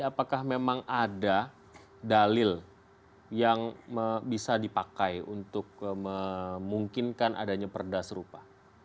apakah memang ada dalil yang bisa dipakai untuk memungkinkan adanya perda serupa